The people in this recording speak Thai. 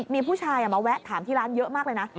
มีผู้ชายมาแวะถามที่ร้านเยอะมากเลยนะ